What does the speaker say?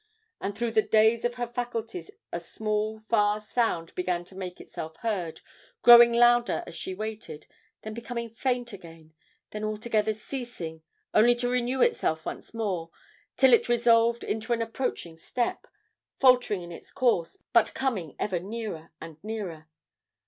and through the daze of her faculties a small far sound began to make itself heard, growing louder as she waited, then becoming faint again, then altogether ceasing only to renew itself once more, till it resolved into an approaching step, faltering in its course, but coming ever nearer and nearer.